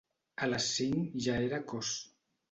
A les cinc ja era cos.